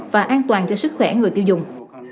và an toàn cho sức khỏe người tiêu dùng